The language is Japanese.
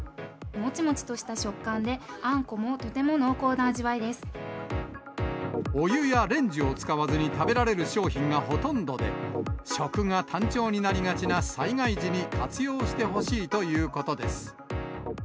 もちもちとした食感で、お湯やレンジを使わずに食べられる商品がほとんどで、食が単調になりがちな災害時に活用してほしいということです。